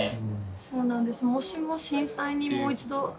そうなんです。